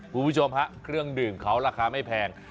คุณผู้ชมฮะเครื่องดื่มเขาราคาไม่แพง